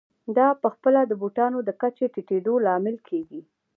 دا په خپله د بوټانو د کچې ټیټېدو لامل کېږي